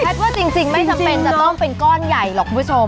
ว่าจริงไม่จำเป็นจะต้องเป็นก้อนใหญ่หรอกคุณผู้ชม